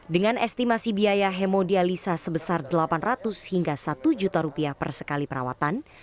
dengan estimasi biaya hemodialisa sebesar delapan ratus hingga satu juta rupiah per sekali perawatan